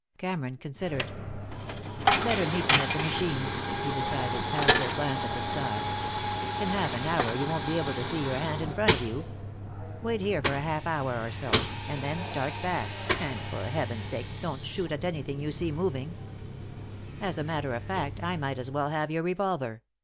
Cameron considered. "Better meet at the machine," he decided, after a glance at the sky. "In half an hour you won't be able to see your hand in front of you. Wait here for a half hour or so, and then start back, and for heaven's sake don't shoot at anything you see moving. As a matter of fact, I might as well have your revolver.